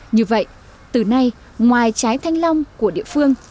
như vậy từ nay ngoài trái thanh long của địa phương